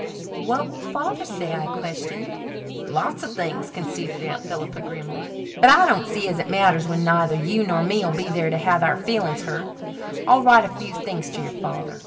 "What will Father say?" I questioned. "Lots o' things," conceded Aunt Philippa grimly. "But I don't see as it matters when neither you nor me'll be there to have our feelings hurt. I'll write a few things to your father.